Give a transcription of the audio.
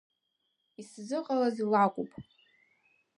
Исзыҟалаз лакәуп…